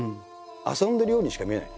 「遊んでるようにしか見えない」。